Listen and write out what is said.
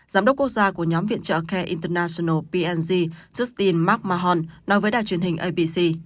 giám đốc quốc gia của nhóm viện trợ care international png justin mark mahon nói với đài truyền hình abc